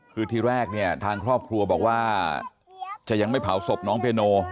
คือที่แรกเนี่ยทางครอบครัวบอกว่าจะยังไม่เผาศพน้องเพโน